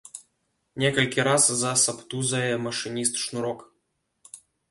Некалькі раз засаб тузае машыніст шнурок.